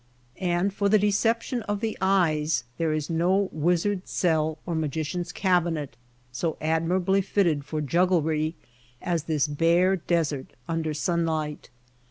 And for the deception of the eyes there is no wizard's cell or magician's cabi net so admirably fitted for jugglery as this bare desert under sunlight.